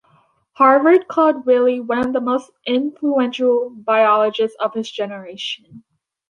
Harvard called Wiley one of the most influential biologists of his generation.